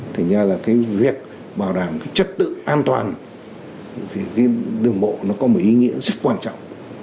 thì nha là cái việc bảo đảm trật tự an toàn thì cái đường bộ nó có một ý nghĩa rất quan trọng